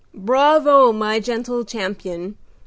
"Bravo, my gentle champion!